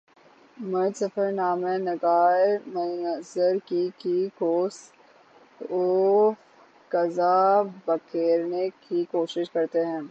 مرد سفر نامہ نگار منظر کی کی قوس و قزح بکھیرنے کی کوشش کرتے ہیں